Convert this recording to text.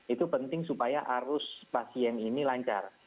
itu penting supaya arus pasien ini lancar